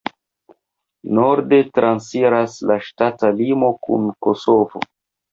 Norde transiras la ŝtata limo kun Kosovo.